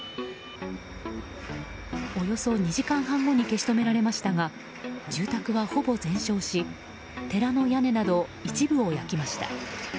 およそ２時間半後に消し止められましたが住宅は、ほぼ全焼し寺の屋根など一部を焼きました。